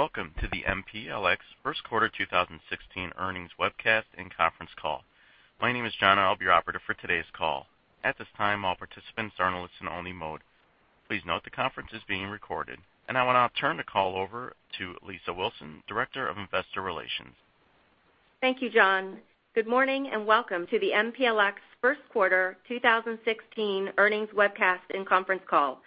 Welcome to the MPLX first quarter 2016 earnings webcast and conference call. My name is John, I'll be your operator for today's call. At this time, all participants are in listen-only mode. Please note the conference is being recorded. I'll turn the call over to Lisa Wilson, Director of Investor Relations. Thank you, John. Good morning, welcome to the MPLX first quarter 2016 earnings webcast and conference call.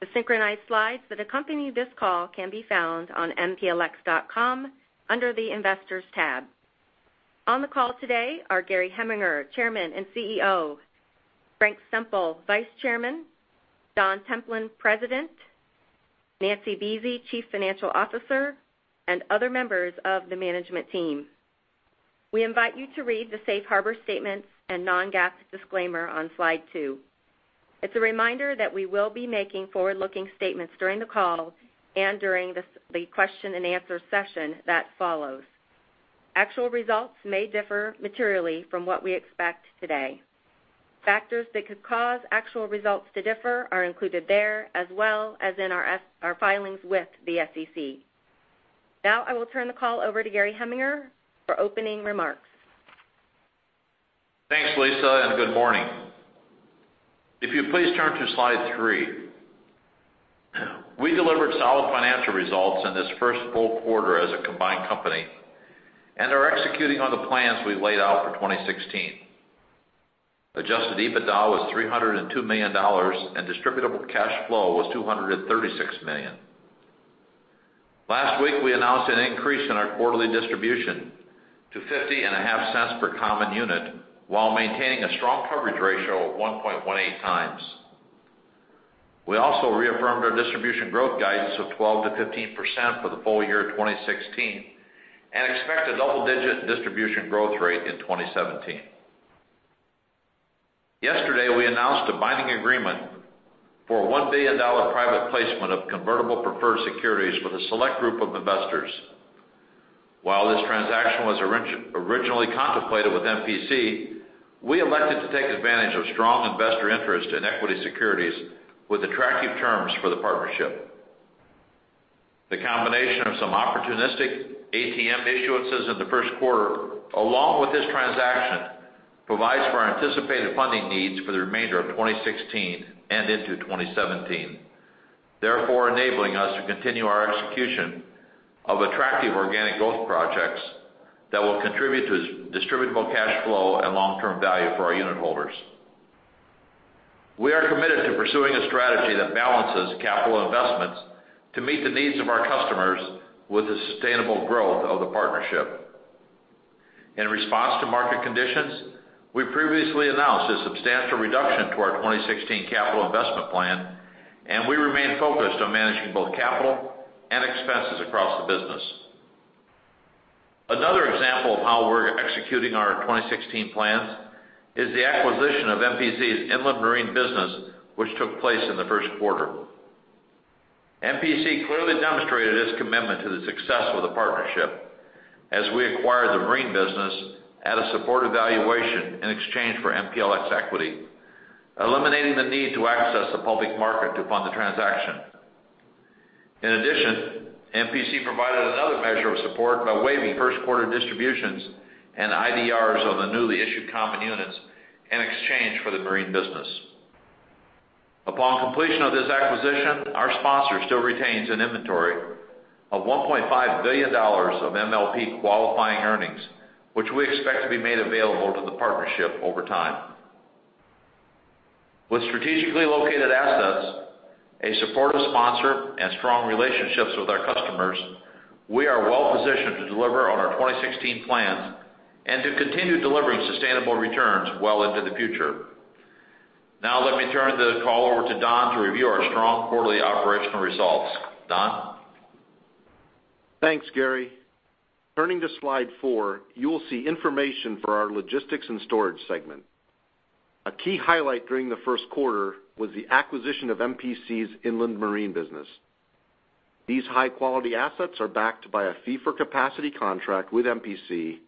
The synchronized slides that accompany this call can be found on mplx.com under the Investors tab. On the call today are Gary Heminger, Chairman and CEO; Frank Semple, Vice Chairman; Don Templin, President; Nancy Buese, Chief Financial Officer; other members of the management team. We invite you to read the safe harbor statements non-GAAP disclaimer on slide two. It's a reminder that we will be making forward-looking statements during the call during the question answer session that follows. Actual results may differ materially from what we expect today. Factors that could cause actual results to differ are included there, as well as in our filings with the SEC. I will turn the call over to Gary Heminger for opening remarks. Thanks, Lisa, good morning. If you'd please turn to slide three. We delivered solid financial results in this first full quarter as a combined company are executing on the plans we laid out for 2016. Adjusted EBITDA was $302 million, distributable cash flow was $236 million. Last week, we announced an increase in our quarterly distribution to $0.505 per common unit, while maintaining a strong coverage ratio of 1.18 times. We also reaffirmed our distribution growth guidance of 12%-15% for the full year 2016 expect a double-digit distribution growth rate in 2017. Yesterday, we announced a binding agreement for a $1 billion private placement of convertible preferred securities with a select group of investors. While this transaction was originally contemplated with MPC, we elected to take advantage of strong investor interest in equity securities with attractive terms for the partnership. The combination of some opportunistic ATM issuances in the first quarter, along with this transaction, provides for our anticipated funding needs for the remainder of 2016 into 2017. Therefore, enabling us to continue our execution of attractive organic growth projects that will contribute to distributable cash flow long-term value for our unit holders. We are committed to pursuing a strategy that balances capital investments to meet the needs of our customers with the sustainable growth of the partnership. In response to market conditions, we previously announced a substantial reduction to our 2016 capital investment plan, we remain focused on managing both capital expenses across the business. Another example of how we're executing our 2016 plans is the acquisition of MPC's inland marine business, which took place in the first quarter. MPC clearly demonstrated its commitment to the success of the partnership as we acquired the marine business at a supported valuation in exchange for MPLX equity, eliminating the need to access the public market to fund the transaction. In addition, MPC provided another measure of support by waiving first quarter distributions and IDRs on the newly issued common units in exchange for the marine business. Upon completion of this acquisition, our sponsor still retains an inventory of $1.5 billion of MLP qualifying earnings, which we expect to be made available to the partnership over time. With strategically located assets, a supportive sponsor, and strong relationships with our customers, we are well positioned to deliver on our 2016 plans and to continue delivering sustainable returns well into the future. Let me turn the call over to Don to review our strong quarterly operational results. Don? Thanks, Gary. Turning to slide four, you will see information for our logistics and storage segment. A key highlight during the first quarter was the acquisition of MPC's inland marine business. These high-quality assets are backed by a fee for capacity contract with MPC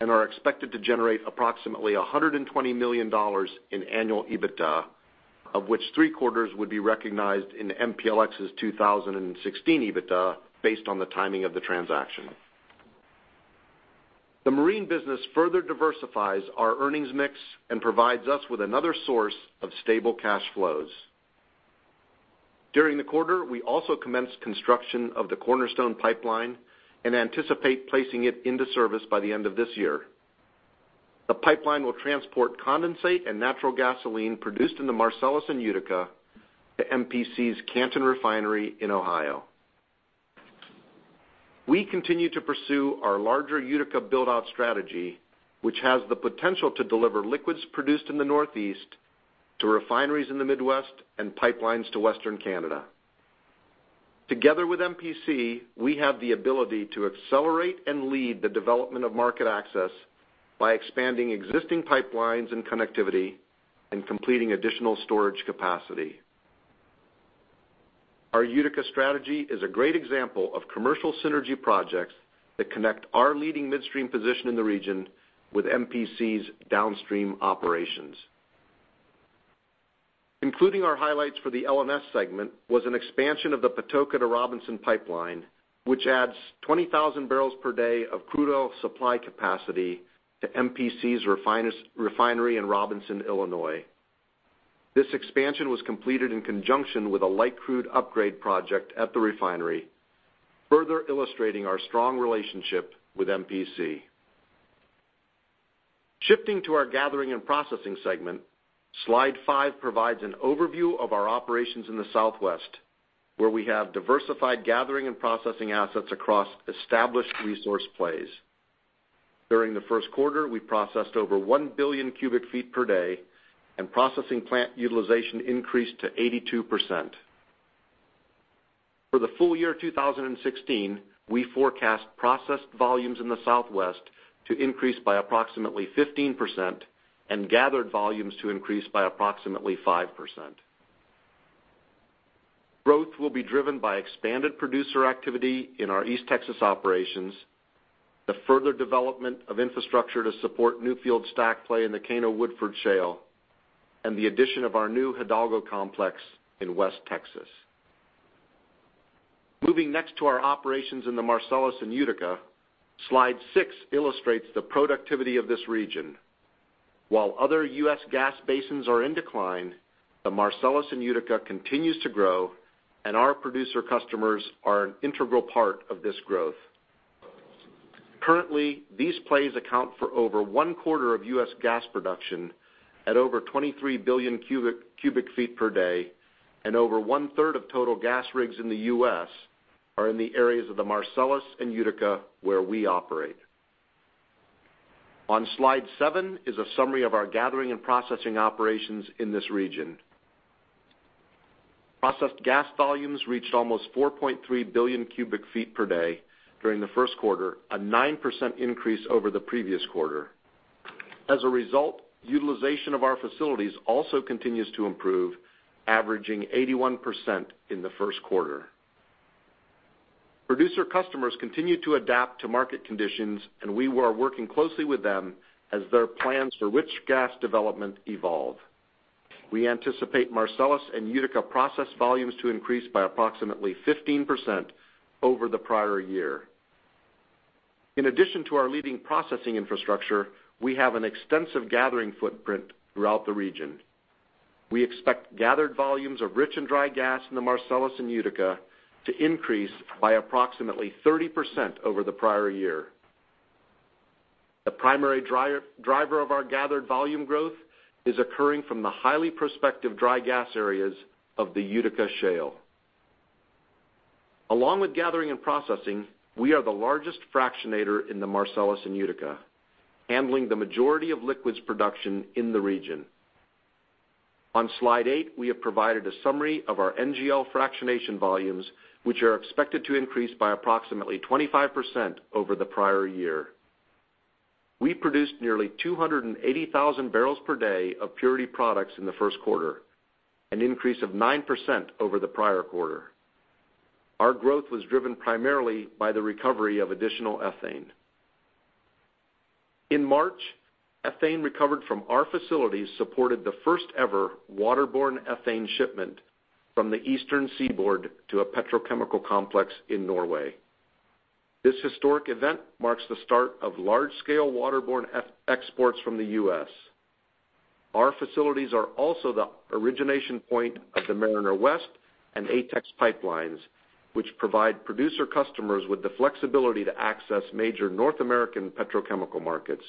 and are expected to generate approximately $120 million in annual EBITDA, of which three-quarters would be recognized in MPLX's 2016 EBITDA based on the timing of the transaction. The marine business further diversifies our earnings mix and provides us with another source of stable cash flows. During the quarter, we also commenced construction of the Cornerstone Pipeline and anticipate placing it into service by the end of this year. The pipeline will transport condensate and natural gasoline produced in the Marcellus and Utica to MPC's Canton Refinery in Ohio. We continue to pursue our larger Utica build-out strategy, which has the potential to deliver liquids produced in the Northeast to refineries in the Midwest and pipelines to Western Canada. Together with MPC, we have the ability to accelerate and lead the development of market access by expanding existing pipelines and connectivity and completing additional storage capacity. Our Utica strategy is a great example of commercial synergy projects that connect our leading midstream position in the region with MPC's downstream operations. Including our highlights for the LMS segment was an expansion of the Patoka to Robinson pipeline, which adds 20,000 barrels per day of crude oil supply capacity to MPC's refinery in Robinson, Illinois. This expansion was completed in conjunction with a light crude upgrade project at the refinery, further illustrating our strong relationship with MPC. Shifting to our gathering and processing segment, slide five provides an overview of our operations in the Southwest, where we have diversified gathering and processing assets across established resource plays. During the first quarter, we processed over 1 billion cubic feet per day and processing plant utilization increased to 82%. For the full year 2016, we forecast processed volumes in the Southwest to increase by approximately 15% and gathered volumes to increase by approximately 5%. Growth will be driven by expanded producer activity in our East Texas operations, the further development of infrastructure to support new field stack play in the Cana-Woodford Shale, and the addition of our new Hidalgo complex in West Texas. Moving next to our operations in the Marcellus and Utica, slide six illustrates the productivity of this region. While other U.S. gas basins are in decline, the Marcellus and Utica continues to grow, and our producer customers are an integral part of this growth. Currently, these plays account for over one-quarter of U.S. gas production at over 23 billion cubic feet per day, and over one-third of total gas rigs in the U.S. are in the areas of the Marcellus and Utica where we operate. On slide seven is a summary of our gathering and processing operations in this region. Processed gas volumes reached almost 4.3 billion cubic feet per day during the first quarter, a 9% increase over the previous quarter. As a result, utilization of our facilities also continues to improve, averaging 81% in the first quarter. Producer customers continue to adapt to market conditions, and we are working closely with them as their plans for rich gas development evolve. We anticipate Marcellus and Utica process volumes to increase by approximately 15% over the prior year. In addition to our leading processing infrastructure, we have an extensive gathering footprint throughout the region. We expect gathered volumes of rich and dry gas in the Marcellus and Utica to increase by approximately 30% over the prior year. The primary driver of our gathered volume growth is occurring from the highly prospective dry gas areas of the Utica Shale. Along with gathering and processing, we are the largest fractionator in the Marcellus and Utica, handling the majority of liquids production in the region. On slide eight, we have provided a summary of our NGL fractionation volumes, which are expected to increase by approximately 25% over the prior year. We produced nearly 280,000 barrels per day of purity products in the first quarter, an increase of 9% over the prior quarter. Our growth was driven primarily by the recovery of additional ethane. In March, ethane recovered from our facilities supported the first-ever waterborne ethane shipment from the eastern seaboard to a petrochemical complex in Norway. This historic event marks the start of large-scale waterborne exports from the U.S. Our facilities are also the origination point of the Mariner West and ATEX pipelines, which provide producer customers with the flexibility to access major North American petrochemical markets.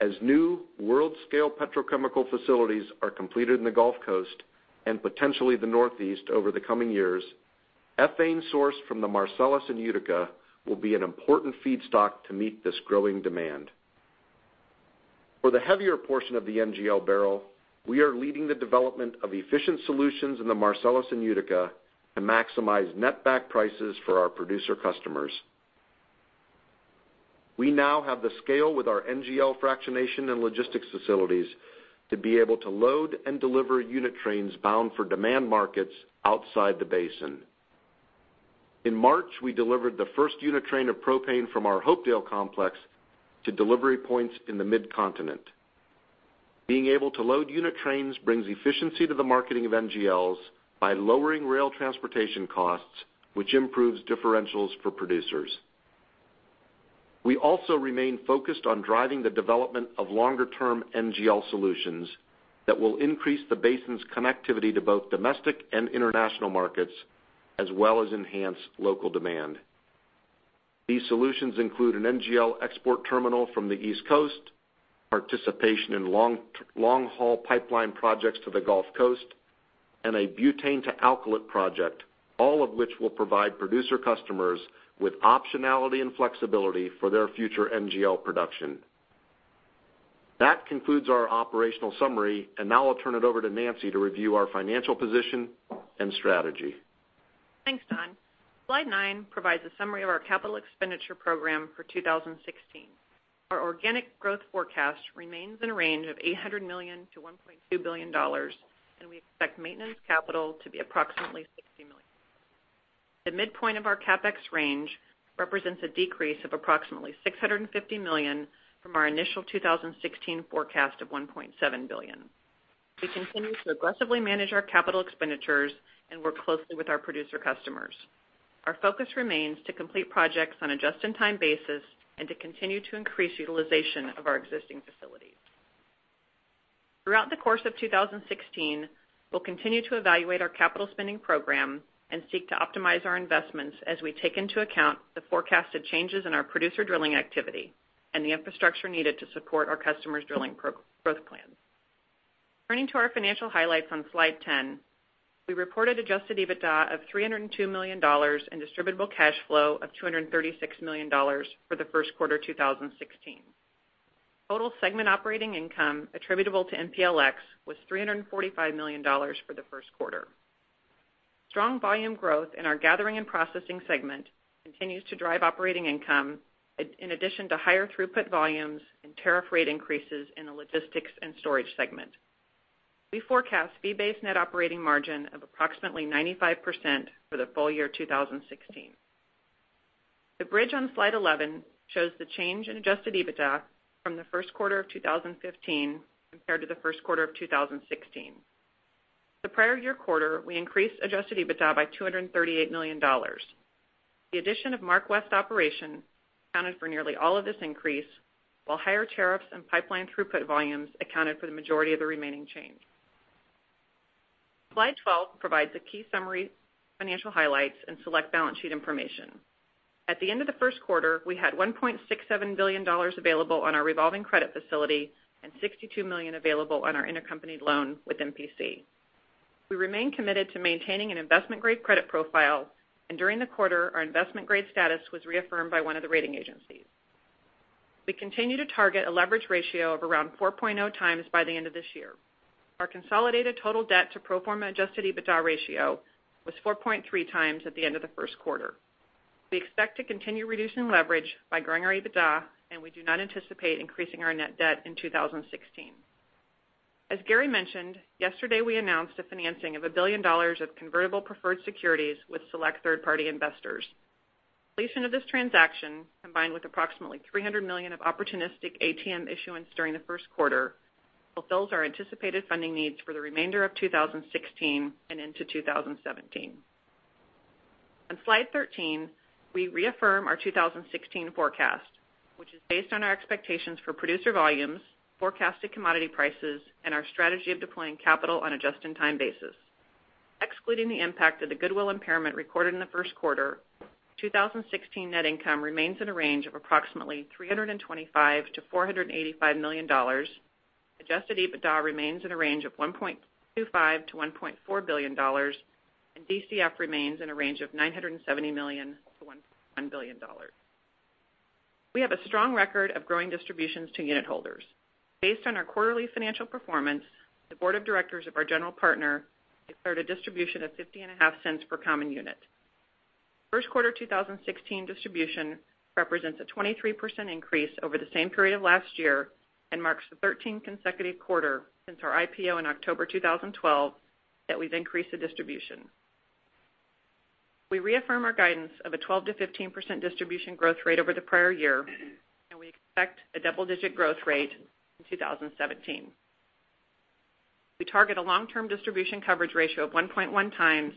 As new world-scale petrochemical facilities are completed in the Gulf Coast and potentially the Northeast over the coming years, ethane sourced from the Marcellus and Utica will be an important feedstock to meet this growing demand. For the heavier portion of the NGL barrel, we are leading the development of efficient solutions in the Marcellus and Utica to maximize net-back prices for our producer customers. We now have the scale with our NGL fractionation and logistics facilities to be able to load and deliver a unit train bound for demand markets outside the basin. In March, we delivered the first unit train of propane from our Hopedale complex to delivery points in the mid-continent. Being able to load unit trains brings efficiency to the marketing of NGLs by lowering rail transportation costs, which improves differentials for producers. We also remain focused on driving the development of longer-term NGL solutions that will increase the basin's connectivity to both domestic and international markets, as well as enhance local demand. These solutions include an NGL export terminal from the East Coast, participation in long-haul pipeline projects to the Gulf Coast, and a butane to alkylate project, all of which will provide producer customers with optionality and flexibility for their future NGL production. That concludes our operational summary. Now I'll turn it over to Nancy to review our financial position and strategy. Thanks, Don. Slide nine provides a summary of our capital expenditure program for 2016. Our organic growth forecast remains in a range of $800 million to $1.2 billion. We expect maintenance capital to be approximately $60 million. The midpoint of our CapEx range represents a decrease of approximately $650 million from our initial 2016 forecast of $1.7 billion. We continue to aggressively manage our capital expenditures and work closely with our producer customers. Our focus remains to complete projects on a just-in-time basis and to continue to increase utilization of our existing facilities. Throughout the course of 2016, we'll continue to evaluate our capital spending program and seek to optimize our investments as we take into account the forecasted changes in our producer drilling activity and the infrastructure needed to support our customers' drilling growth plans. Turning to our financial highlights on slide 10, we reported Adjusted EBITDA of $302 million in distributable cash flow of $236 million for the first quarter 2016. Total segment operating income attributable to MPLX was $345 million for the first quarter. Strong volume growth in our gathering and processing segment continues to drive operating income, in addition to higher throughput volumes and tariff rate increases in the logistics and storage segment. We forecast fee-based net operating margin of approximately 95% for the full year 2016. The bridge on slide 11 shows the change in Adjusted EBITDA from the first quarter of 2015 compared to the first quarter of 2016. In the prior year quarter, we increased Adjusted EBITDA by $238 million. The addition of MarkWest operation accounted for nearly all of this increase, while higher tariffs and pipeline throughput volumes accounted for the majority of the remaining change. Slide 12 provides a key summary, financial highlights, and select balance sheet information. At the end of the first quarter, we had $1.67 billion available on our revolving credit facility and $62 million available on our intercompany loan with MPC. We remain committed to maintaining an investment-grade credit profile. During the quarter, our investment-grade status was reaffirmed by one of the rating agencies. We continue to target a leverage ratio of around 4.0 times by the end of this year. Our consolidated total debt to pro forma Adjusted EBITDA ratio was 4.3 times at the end of the first quarter. We expect to continue reducing leverage by growing our EBITDA. We do not anticipate increasing our net debt in 2016. As Gary mentioned, yesterday, we announced the financing of $1 billion of convertible preferred securities with select third-party investors. Completion of this transaction, combined with approximately $300 million of opportunistic ATM issuance during the first quarter, fulfills our anticipated funding needs for the remainder of 2016 and into 2017. On slide 13, we reaffirm our 2016 forecast, which is based on our expectations for producer volumes, forecasted commodity prices, and our strategy of deploying capital on a just-in-time basis. Excluding the impact of the goodwill impairment recorded in the first quarter, 2016 net income remains in a range of approximately $325 million-$485 million, Adjusted EBITDA remains in a range of $1.25 billion-$1.4 billion, and DCF remains in a range of $970 million-$1.1 billion. We have a strong record of growing distributions to unit holders. Based on our quarterly financial performance, the board of directors of our general partner declared a distribution of 50 and a half cents per common unit. First quarter 2016 distribution represents a 23% increase over the same period of last year and marks the 13th consecutive quarter since our IPO in October 2012 that we've increased the distribution. We reaffirm our guidance of a 12%-15% distribution growth rate over the prior year, and we expect a double-digit growth rate in 2017. We target a long-term distribution coverage ratio of 1.1 times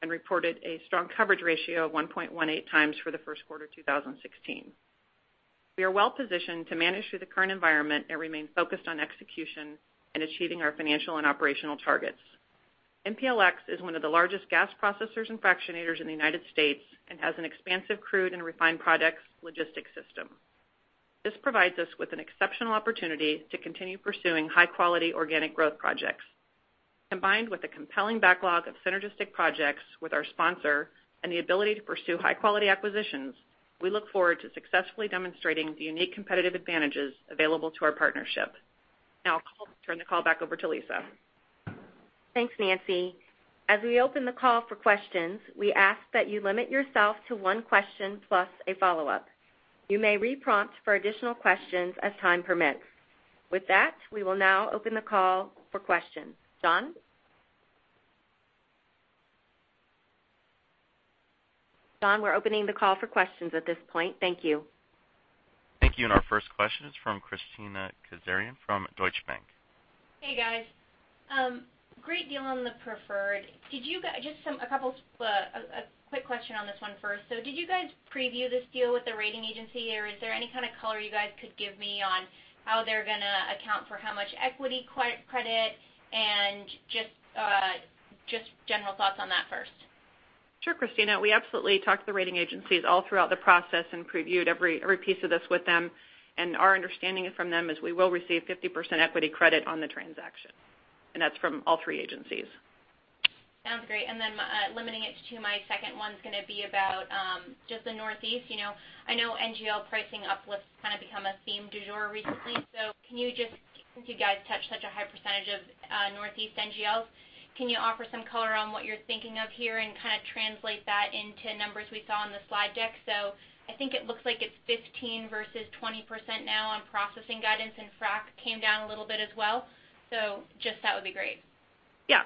and reported a strong coverage ratio of 1.18 times for the first quarter 2016. We are well-positioned to manage through the current environment and remain focused on execution and achieving our financial and operational targets. MPLX is one of the largest gas processors and fractionators in the United States and has an expansive crude and refined products logistics system. This provides us with an exceptional opportunity to continue pursuing high-quality organic growth projects. Combined with a compelling backlog of synergistic projects with our sponsor and the ability to pursue high-quality acquisitions, we look forward to successfully demonstrating the unique competitive advantages available to our partnership. Now I'll turn the call back over to Lisa. Thanks, Nancy. As we open the call for questions, we ask that you limit yourself to one question plus a follow-up. You may re-prompt for additional questions as time permits. With that, we will now open the call for questions. John? John, we're opening the call for questions at this point. Thank you. Thank you. Our first question is from Kristina Kazarian from Deutsche Bank. Hey, guys. Great deal on the preferred. A quick question on this one first. Did you guys preview this deal with the rating agency, or is there any kind of color you guys could give me on how they're going to account for how much equity credit, and just general thoughts on that first? Sure, Kristina. We absolutely talked to the rating agencies all throughout the process and previewed every piece of this with them. Our understanding from them is we will receive 50% equity credit on the transaction, and that's from all three agencies. Sounds great. Limiting it to my second one's going to be about just the Northeast. I know NGL pricing uplifts kind of become a theme du jour recently. Since you guys touch such a high percentage of Northeast NGLs, can you offer some color on what you're thinking of here and kind of translate that into numbers we saw on the slide deck? I think it looks like it's 15% versus 20% now on processing guidance, and frac came down a little bit as well. Just that would be great.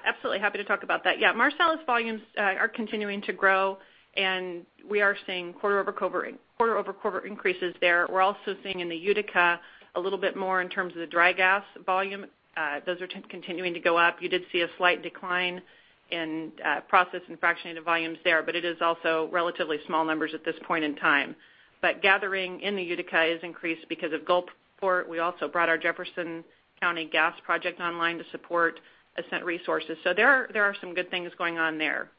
Absolutely. Happy to talk about that. Marcellus volumes are continuing to grow, and we are seeing quarter-over-quarter increases there. We are also seeing in the Utica a little bit more in terms of the dry gas volume. Those are continuing to go up. You did see a slight decline in processed and fractionated volumes there, but it is also relatively small numbers at this point in time. Gathering in the Utica is increased because of Gulfport. We also brought our Jefferson County gas project online to support Ascent Resources. There are some good things going on there.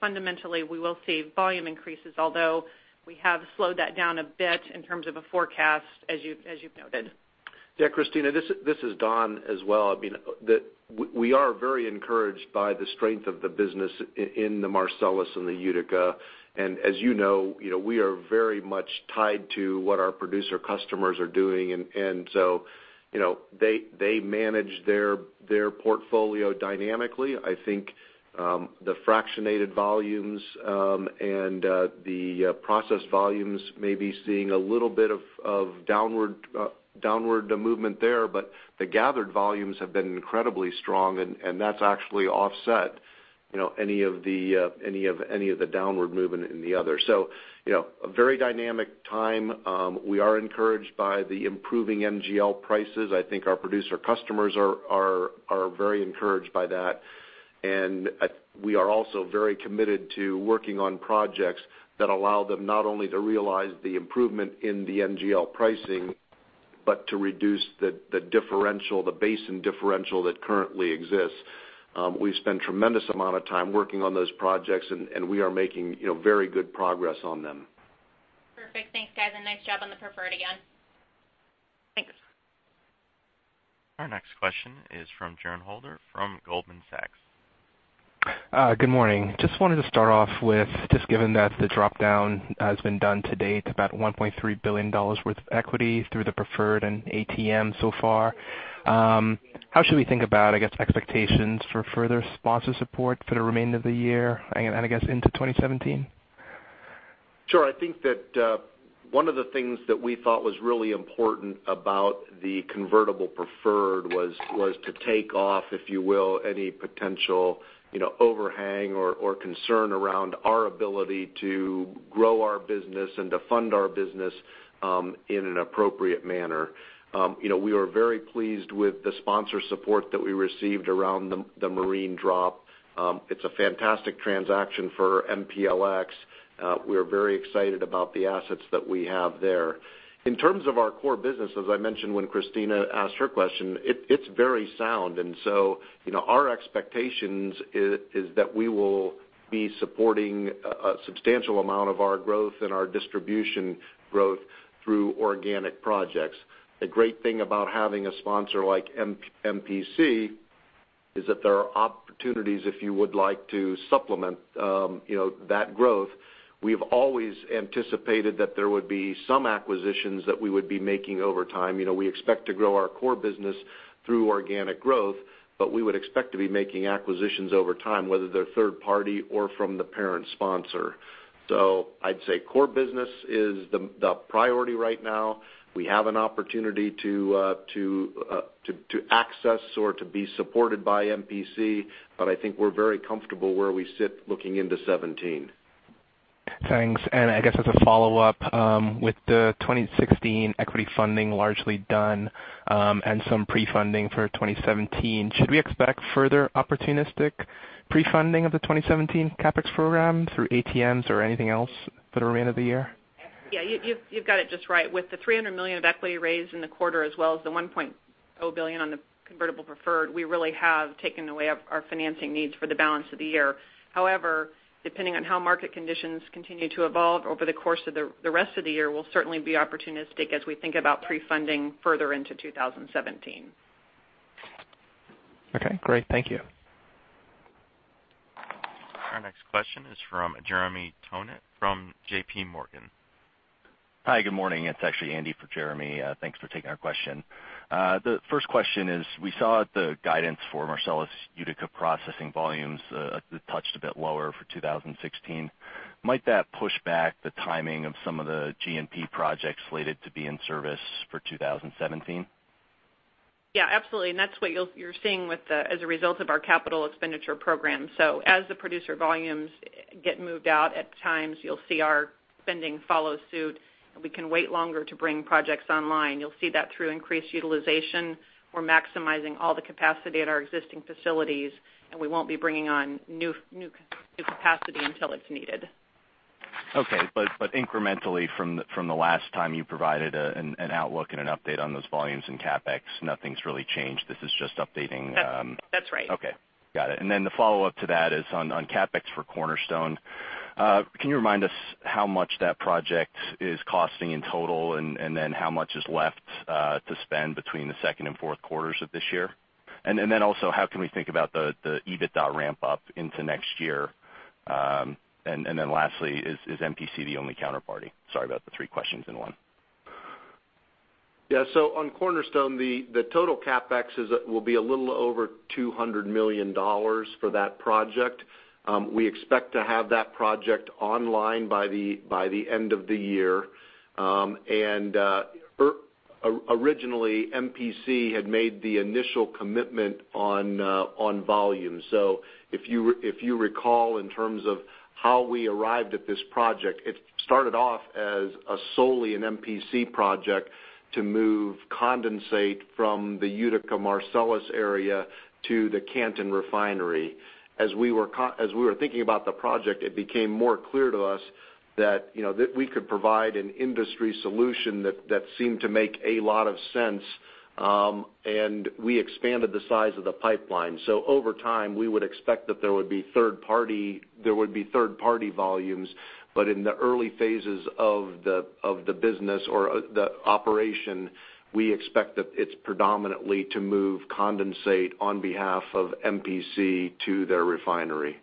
Fundamentally, we will see volume increases, although we have slowed that down a bit in terms of a forecast as you have noted. Kristina, this is Don as well. We are very encouraged by the strength of the business in the Marcellus and the Utica. As you know, we are very much tied to what our producer customers are doing. They manage their portfolio dynamically. I think the fractionated volumes, and the processed volumes may be seeing a little bit of downward movement there, but the gathered volumes have been incredibly strong, and that has actually offset any of the downward movement in the other. A very dynamic time. We are encouraged by the improving NGL prices. I think our producer customers are very encouraged by that. We are also very committed to working on projects that allow them not only to realize the improvement in the NGL pricing, but to reduce the basin differential that currently exists. We spend a tremendous amount of time working on those projects, and we are making very good progress on them. Perfect. Thanks, guys, and nice job on the preferred again. Thanks. Our next question is from Jerren Holder from Goldman Sachs. Good morning. Just wanted to start off with given that the drop-down has been done to date about $1.3 billion worth of equity through the preferred and ATM so far. How should we think about, I guess, expectations for further sponsor support for the remainder of the year and I guess into 2017? Sure. I think that one of the things that we thought was really important about the convertible preferred was to take off, if you will, any potential overhang or concern around our ability to grow our business and to fund our business in an appropriate manner. We were very pleased with the sponsor support that we received around the marine drop. It's a fantastic transaction for MPLX. We are very excited about the assets that we have there. In terms of our core business, as I mentioned when Kristina asked her question, it's very sound. Our expectations is that we will be supporting a substantial amount of our growth and our distribution growth through organic projects. The great thing about having a sponsor like MPC is that there are opportunities if you would like to supplement that growth. We've always anticipated that there would be some acquisitions that we would be making over time. We expect to grow our core business through organic growth, we would expect to be making acquisitions over time, whether they're third party or from the parent sponsor. I'd say core business is the priority right now. We have an opportunity to access or to be supported by MPC, I think we're very comfortable where we sit looking into 2017. Thanks. I guess as a follow-up, with the 2016 equity funding largely done, and some pre-funding for 2017, should we expect further opportunistic pre-funding of the 2017 CapEx program through ATMs or anything else for the remainder of the year? You've got it just right. With the $300 million of equity raised in the quarter as well as the $1.0 billion on the convertible preferred, we really have taken away our financing needs for the balance of the year. However, depending on how market conditions continue to evolve over the course of the rest of the year, we'll certainly be opportunistic as we think about pre-funding further into 2017. Great. Thank you. Our next question is from Jeremy Tonet from J.P. Morgan. Hi, good morning. It's actually Andy for Jeremy. Thanks for taking our question. The first question is, we saw the guidance for Marcellus Utica processing volumes, touched a bit lower for 2016. Might that push back the timing of some of the G&P projects slated to be in service for 2017? Yeah, absolutely. That's what you're seeing as a result of our capital expenditure program. As the producer volumes get moved out, at times you'll see our spending follow suit, and we can wait longer to bring projects online. You'll see that through increased utilization. We're maximizing all the capacity at our existing facilities, and we won't be bringing on new capacity until it's needed. Okay. Incrementally from the last time you provided an outlook and an update on those volumes in CapEx, nothing's really changed. This is just updating. That's right. Okay. Got it. The follow-up to that is on CapEx for Cornerstone. Can you remind us how much that project is costing in total, how much is left to spend between the second and fourth quarters of this year? Also, how can we think about the Adjusted EBITDA ramp-up into next year? Lastly, is MPC the only counterparty? Sorry about the three questions in one. On Cornerstone, the total CapEx will be a little over $200 million for that project. We expect to have that project online by the end of the year. Originally, MPC had made the initial commitment on volume. If you recall in terms of how we arrived at this project, it started off as solely an MPC project to move condensate from the Utica Marcellus area to the Canton refinery. As we were thinking about the project, it became more clear to us that we could provide an industry solution that seemed to make a lot of sense, and we expanded the size of the pipeline. Over time, we would expect that there would be third-party volumes. In the early phases of the business or the operation, we expect that it's predominantly to move condensate on behalf of MPC to their refinery.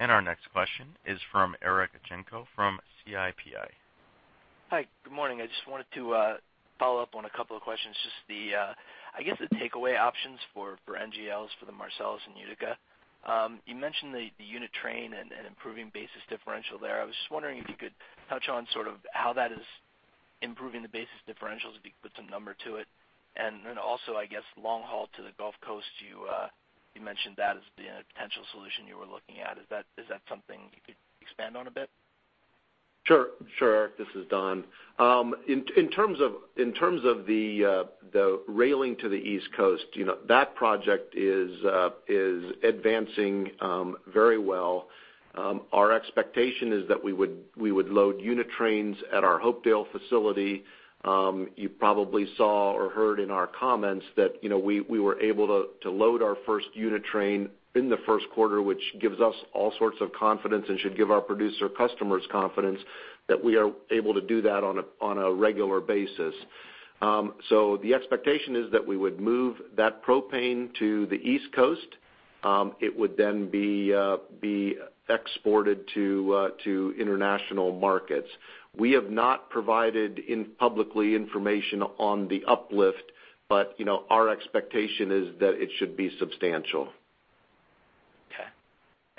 Our next question is from Eric Genco from Citi. Hi, good morning. I just wanted to follow up on a couple of questions. The takeaway options for NGLs for the Marcellus and Utica. You mentioned the unit train and improving basis differential there. I was just wondering if you could touch on how that is improving the basis differentials, if you could put some number to it. Also, long haul to the Gulf Coast, you mentioned that as being a potential solution you were looking at. Is that something you could expand on a bit? Sure, Eric. This is Don. In terms of the railing to the East Coast, that project is advancing very well. Our expectation is that we would load unit trains at our Hopedale facility. You probably saw or heard in our comments that we were able to load our first unit train in the first quarter, which gives us all sorts of confidence and should give our producer customers confidence that we are able to do that on a regular basis. The expectation is that we would move that propane to the East Coast. It would then be exported to international markets. We have not provided, publicly, information on the uplift, our expectation is that it should be substantial.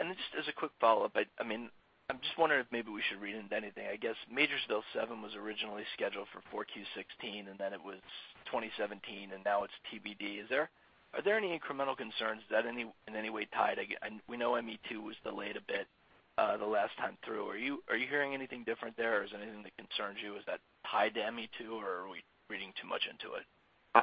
Just as a quick follow-up, I'm just wondering if maybe we should read into anything. I guess Majorsville 7 was originally scheduled for 4Q 2016, it was 2017, and now it's TBD. Are there any incremental concerns? Is that in any way tied? We know ME2 was delayed a bit the last time through. Are you hearing anything different there or is there anything that concerns you? Is that tied to ME2 or are we reading too much into it?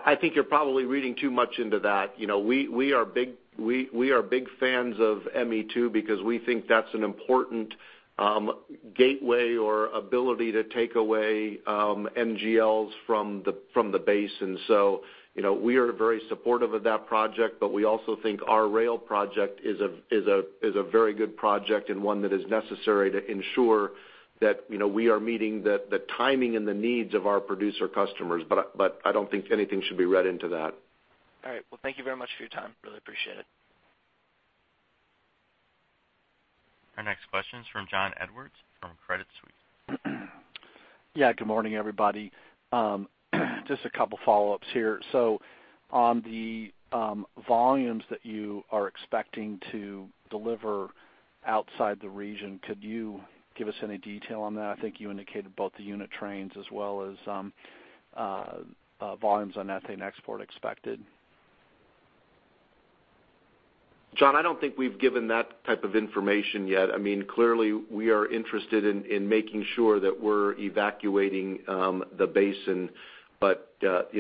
I think you're probably reading too much into that. We are big fans of ME2 because we think that's an important gateway or ability to take away NGLs from the basin. We are very supportive of that project, we also think our rail project is a very good project and one that is necessary to ensure that we are meeting the timing and the needs of our producer customers. I don't think anything should be read into that. Thank you very much for your time. Really appreciate it. Our next question is from John Edwards from Credit Suisse. Yeah, good morning, everybody. Just a couple follow-ups here. On the volumes that you are expecting to deliver outside the region, could you give us any detail on that? I think you indicated both the unit trains as well as volumes on ethane export expected. John, I don't think we've given that type of information yet. Clearly, we are interested in making sure that we're evacuating the basin. That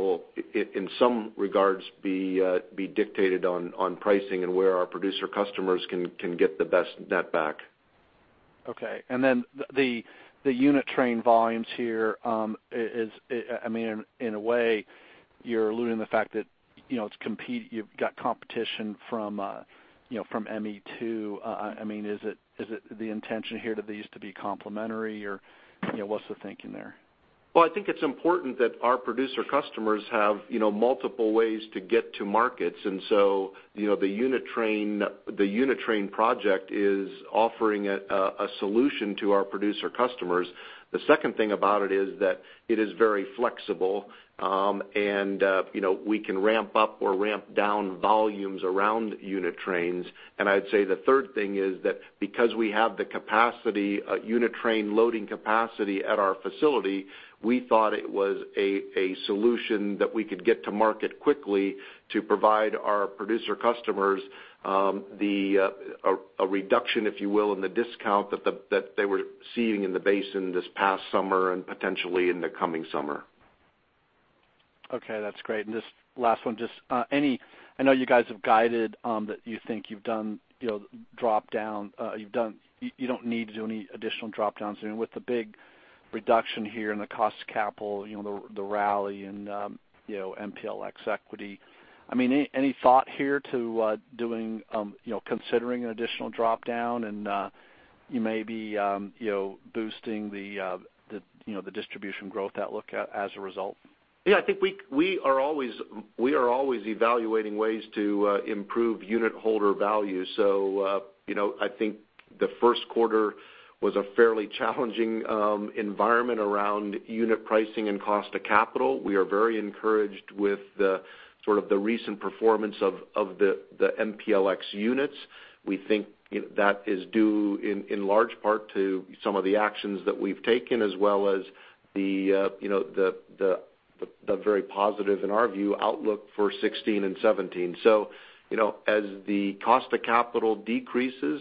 will, in some regards, be dictated on pricing and where our producer customers can get the best net-back. Okay. The unit train volumes here is, in a way, you're alluding the fact that you've got competition from ME2. Is it the intention here that these to be complementary or what's the thinking there? Well, I think it's important that our producer customers have multiple ways to get to markets. The unit train project is offering a solution to our producer customers. The second thing about it is that it is very flexible. We can ramp up or ramp down volumes around unit trains. I'd say the third thing is that because we have the unit train loading capacity at our facility, we thought it was a solution that we could get to market quickly to provide our producer customers a reduction, if you will, in the discount that they were seeing in the basin this past summer and potentially in the coming summer. Okay, that's great. This last one, I know you guys have guided that you think you don't need to do any additional drop-downs. With the big reduction here in the cost of capital, the rally and MPLX equity. Any thought here to considering an additional drop-down and you maybe boosting the distribution growth outlook as a result? Yeah, I think we are always evaluating ways to improve unit holder value. I think the first quarter was a fairly challenging environment around unit pricing and cost of capital. We are very encouraged with the recent performance of the MPLX units. We think that is due in large part to some of the actions that we've taken, as well as the very positive, in our view, outlook for 2016 and 2017. As the cost of capital decreases,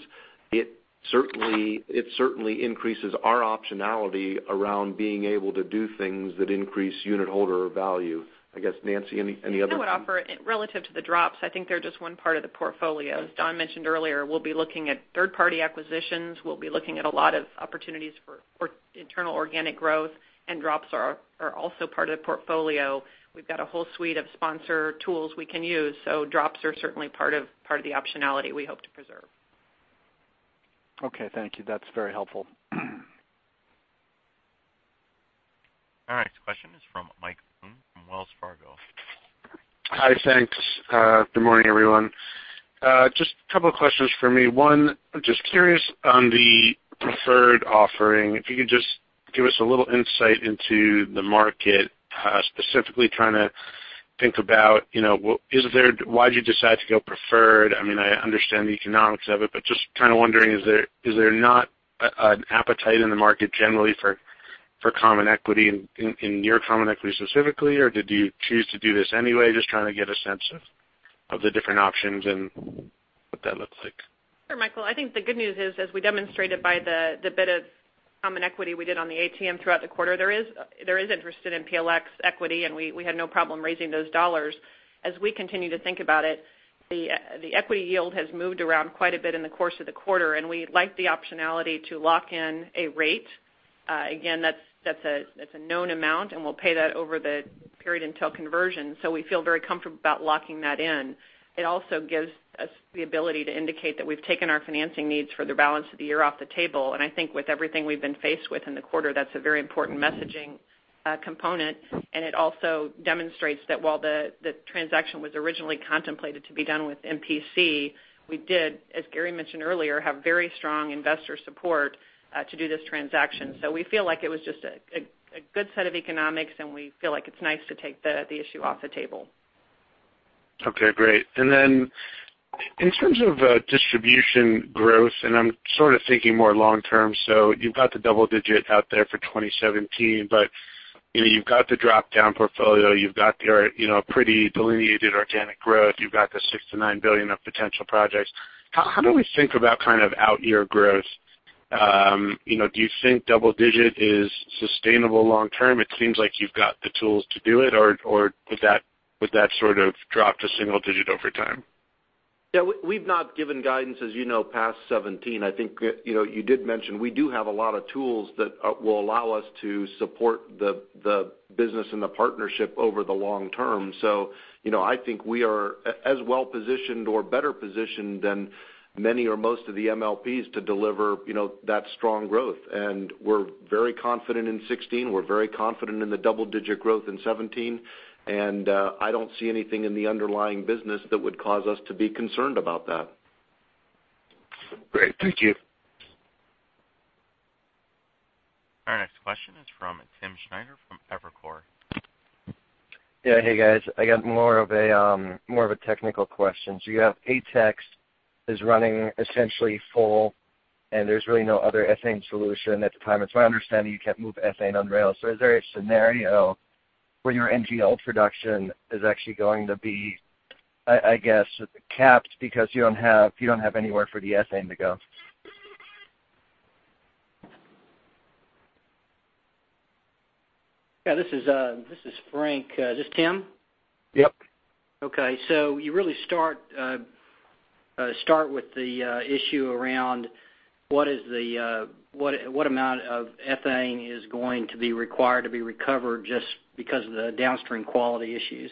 it certainly increases our optionality around being able to do things that increase unit holder value. I guess, Nancy, any other- I would offer relative to the drops, I think they're just one part of the portfolio. As Don mentioned earlier, we'll be looking at third-party acquisitions. We'll be looking at a lot of opportunities for internal organic growth, and drops are also part of the portfolio. We've got a whole suite of sponsor tools we can use, drops are certainly part of the optionality we hope to preserve. Okay, thank you. That's very helpful. Question is from Michael Hong from Wells Fargo. Hi, thanks. Good morning, everyone. Just a couple of questions for me. One, I'm just curious on the preferred offering, if you could just give us a little insight into the market, specifically trying to think about why'd you decide to go preferred? I understand the economics of it, just kind of wondering, is there not an appetite in the market generally for common equity in your common equity specifically? Did you choose to do this anyway? Just trying to get a sense of the different options and what that looks like. Sure, Michael. I think the good news is, as we demonstrated by the bit of common equity we did on the ATM throughout the quarter, there is interest in MPLX equity, we had no problem raising those dollars. As we continue to think about it, the equity yield has moved around quite a bit in the course of the quarter, we like the optionality to lock in a rate. Again, that's a known amount, we'll pay that over the period until conversion. We feel very comfortable about locking that in. It also gives us the ability to indicate that we've taken our financing needs for the balance of the year off the table. I think with everything we've been faced with in the quarter, that's a very important messaging component. It also demonstrates that while the transaction was originally contemplated to be done with MPC, we did, as Gary mentioned earlier, have very strong investor support to do this transaction. We feel like it was just a good set of economics, and we feel like it's nice to take the issue off the table. Okay, great. In terms of distribution growth, and I'm sort of thinking more long term, you've got the double-digit out there for 2017. You've got the drop-down portfolio. You've got your pretty delineated organic growth. You've got the $6 billion-$9 billion of potential projects. How do we think about kind of out-year growth? Do you think double-digit is sustainable long term? It seems like you've got the tools to do it, or would that sort of drop to single-digit over time? Yeah. We've not given guidance, as you know, past 2017. I think you did mention we do have a lot of tools that will allow us to support the business and the partnership over the long term. I think we are as well positioned or better positioned than many or most of the MLPs to deliver that strong growth. We're very confident in 2016. We're very confident in the double-digit growth in 2017, and I don't see anything in the underlying business that would cause us to be concerned about that. Great. Thank you. Our next question is from Timm Schneider from Evercore. Yeah. Hey, guys. I got more of a technical question. You have ATEX is running essentially full, there's really no other ethane solution at the time. It's my understanding you can't move ethane on rails. Is there a scenario where your NGL production is actually going to be, I guess, capped because you don't have anywhere for the ethane to go? Yeah, this is Frank. Is this Timm? Yep. Okay. You really start with the issue around what amount of ethane is going to be required to be recovered just because of the downstream quality issues,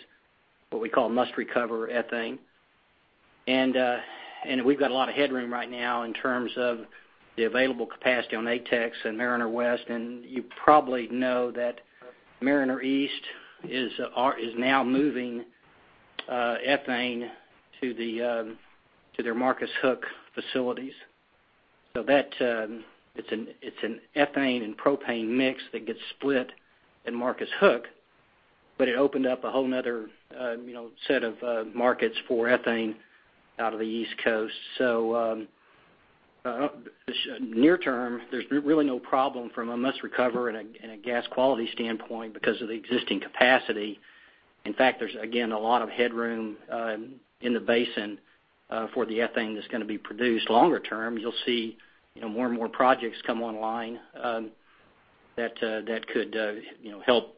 what we call must-recover ethane. We've got a lot of headroom right now in terms of the available capacity on ATEX and Mariner West, you probably know that Mariner East is now moving ethane to their Marcus Hook facilities. It's an ethane and propane mix that gets split in Marcus Hook, it opened up a whole other set of markets for ethane out of the East Coast. Near term, there's really no problem from a must recover and a gas quality standpoint because of the existing capacity. In fact, there's again, a lot of headroom in the basin for the ethane that's going to be produced. Longer term, you'll see more and more projects come online that could help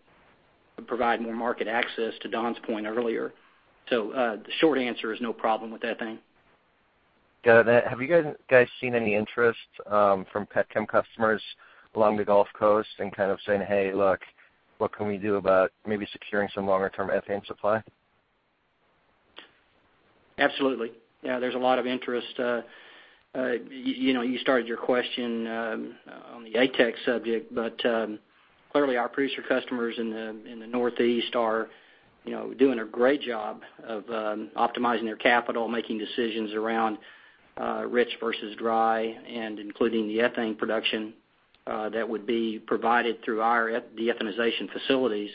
provide more market access to Don's point earlier. The short answer is no problem with ethane. Got it. Have you guys seen any interest from petchem customers along the Gulf Coast and kind of saying, "Hey, look, what can we do about maybe securing some longer-term ethane supply? Absolutely. Yeah, there's a lot of interest. You started your question on the ATEX subject, but clearly our producer customers in the Northeast are doing a great job of optimizing their capital, making decisions around rich versus dry, and including the ethane production that would be provided through our de-ethanization facilities.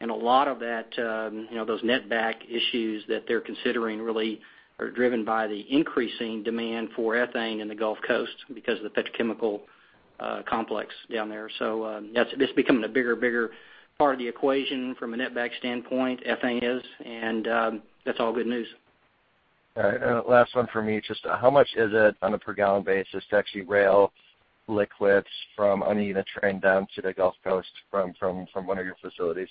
A lot of those net-back issues that they're considering really are driven by the increasing demand for ethane in the Gulf Coast because of the petrochemical Complex down there. It's becoming a bigger part of the equation from a net-back standpoint, ethane is, and that's all good news. All right, last one from me. Just how much is it on a per gallon basis to actually rail liquids from a unit train down to the Gulf Coast from one of your facilities?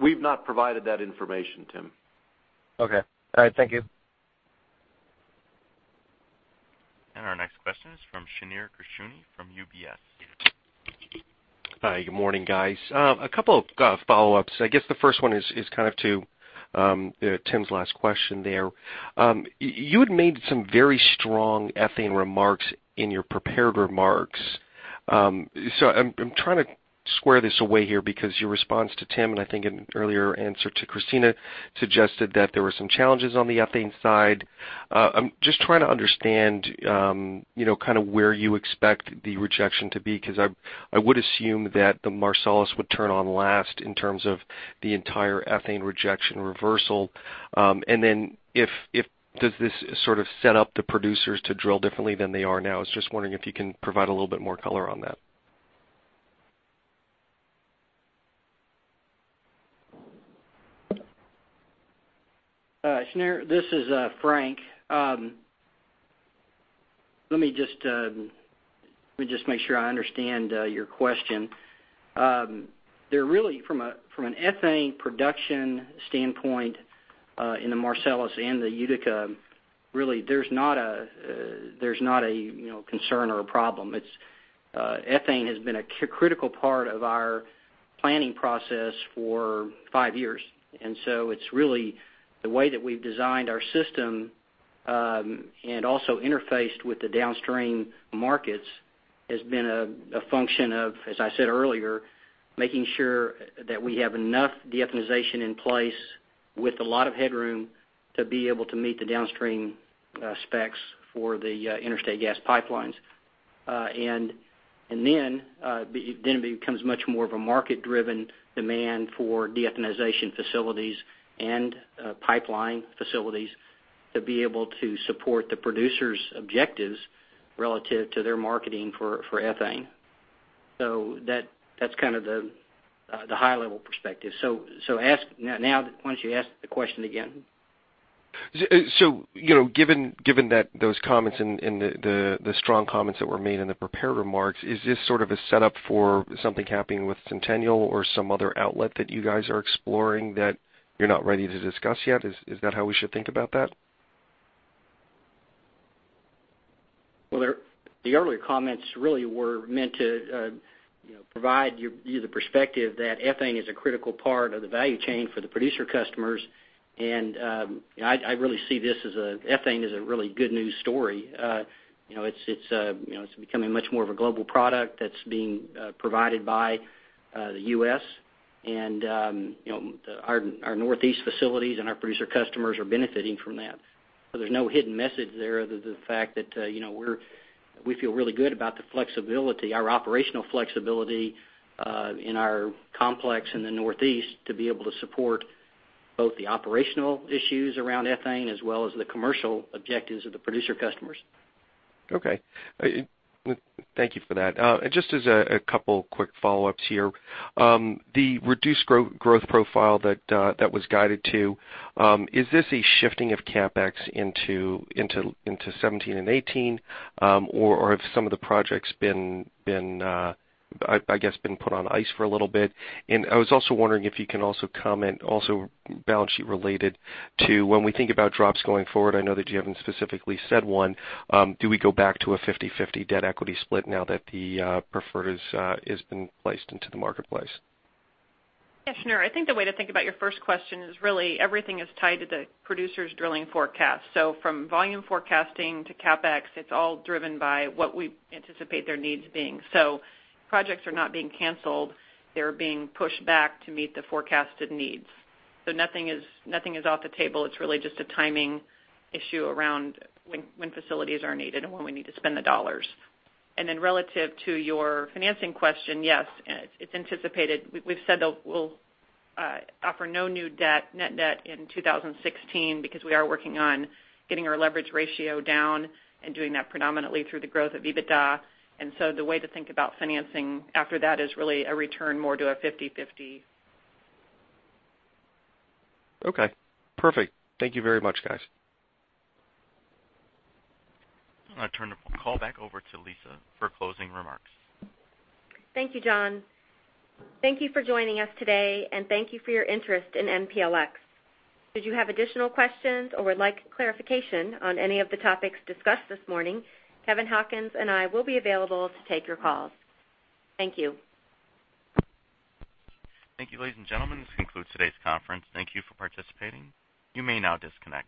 We've not provided that information, Timm. Okay. All right. Thank you. Our next question is from Shneur Gershuni from UBS. Hi, good morning, guys. A couple of follow-ups. I guess the first one is kind of to Timm's last question there. You had made some very strong ethane remarks in your prepared remarks. I'm trying to square this away here because your response to Timm, and I think in an earlier answer to Kristina, suggested that there were some challenges on the ethane side. I'm just trying to understand where you expect the rejection to be, because I would assume that the Marcellus would turn on last in terms of the entire ethane rejection reversal. Does this sort of set up the producers to drill differently than they are now? I was just wondering if you can provide a little bit more color on that. Shneur, this is Frank. Let me just make sure I understand your question. From an ethane production standpoint, in the Marcellus and the Utica, really, there's not a concern or a problem. Ethane has been a critical part of our planning process for five years. It's really the way that we've designed our system, and also interfaced with the downstream markets, has been a function of, as I said earlier, making sure that we have enough deethanization in place with a lot of headroom to be able to meet the downstream specs for the interstate gas pipelines. Then it becomes much more of a market-driven demand for deethanization facilities and pipeline facilities to be able to support the producers' objectives relative to their marketing for ethane. That's kind of the high-level perspective. Why don't you ask the question again? Given those comments and the strong comments that were made in the prepared remarks, is this sort of a setup for something happening with Centennial or some other outlet that you guys are exploring that you're not ready to discuss yet? Is that how we should think about that? Well, the earlier comments really were meant to provide you the perspective that ethane is a critical part of the value chain for the producer customers. I really see ethane as a really good news story. It's becoming much more of a global product that's being provided by the U.S., and our Northeast facilities and our producer customers are benefiting from that. There's no hidden message there other than the fact that we feel really good about the flexibility, our operational flexibility in our complex in the Northeast to be able to support both the operational issues around ethane as well as the commercial objectives of the producer customers. Okay. Thank you for that. Just as a couple quick follow-ups here. The reduced growth profile that was guided to, is this a shifting of CapEx into 2017 and 2018? Or have some of the projects, I guess, been put on ice for a little bit? I was also wondering if you can also comment, also balance sheet related, to when we think about drops going forward, I know that you haven't specifically said one, do we go back to a 50/50 debt equity split now that the preferred has been placed into the marketplace? Shneur, I think the way to think about your first question is really everything is tied to the producers' drilling forecast. From volume forecasting to CapEx, it's all driven by what we anticipate their needs being. Projects are not being canceled, they're being pushed back to meet the forecasted needs. Nothing is off the table. It's really just a timing issue around when facilities are needed and when we need to spend the dollars. Relative to your financing question, yes, it's anticipated. We've said that we'll offer no new net debt in 2016 because we are working on getting our leverage ratio down and doing that predominantly through the growth of EBITDA. The way to think about financing after that is really a return more to a 50/50. Perfect. Thank you very much, guys. I'm going to turn the call back over to Lisa for closing remarks. Thank you, John. Thank you for joining us today, and thank you for your interest in MPLX. Should you have additional questions or would like clarification on any of the topics discussed this morning, Kevin Hawkins and I will be available to take your calls. Thank you. Thank you, ladies and gentlemen. This concludes today's conference. Thank you for participating. You may now disconnect.